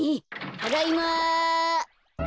ただいま。